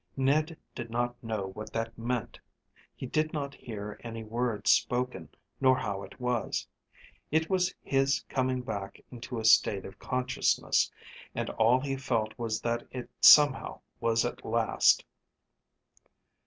Ned did not know what that meant. He did not hear any words spoken nor how it was. It was his coming back into a state of consciousness, and all he felt was that it somehow was at last.